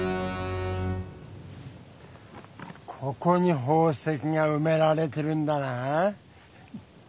ここに宝石がうめられてるんだな？